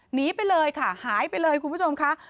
หนีไปเลยค่ะหายไปเลยคุณผู้ชมค่ะ